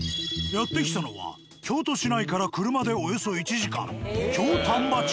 やって来たのは京都市内から車でおよそ１時間京丹波町。